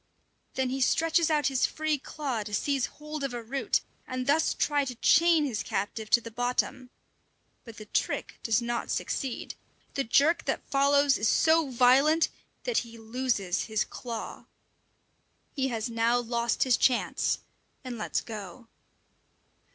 Then he stretches out his free claw to seize hold of a root, and thus try to chain his captive to the bottom. But the trick does not succeed. The jerk that follows is so violent that he loses his claw! He has now lost his chance, and lets go.